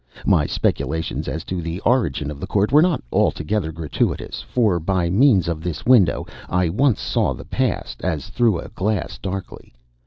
My speculations as to the origin of the court were not altogether gratuitous, for by means of this window I once saw the Past, as through a glass darkly.